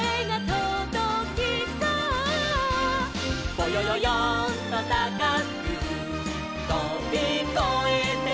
「ぼよよよんとたかくとびこえてゆこう」